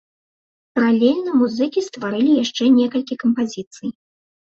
Паралельна музыкі стварылі яшчэ некалькі кампазіцый.